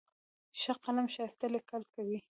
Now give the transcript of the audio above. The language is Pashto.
ښه قلم ښایسته لیکل کوي.